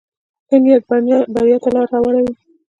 ښه نیت بریا ته لاره هواروي.